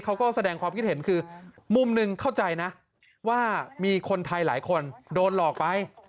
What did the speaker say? เขาก็แสดงความคิดเห็นคือมุมหนึ่งเข้าใจนะว่ามีคนไทยหลายคนโดนหลอกไป